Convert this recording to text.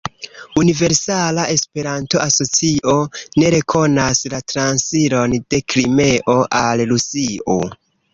Universala Esperanto-Asocio ne rekonas la transiron de Krimeo al Rusio.